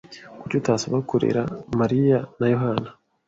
Kuki utasaba kurera Mariya na Yohana?